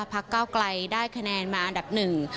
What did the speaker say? พักเก้าไกลได้คะแนนมาอันดับหนึ่ง